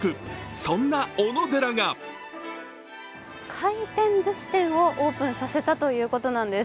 そんな、おのでらが回転ずし店をオープンさせたということなんです。